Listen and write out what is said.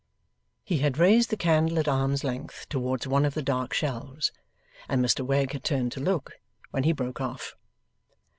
He had raised the candle at arm's length towards one of the dark shelves, and Mr Wegg had turned to look, when he broke off.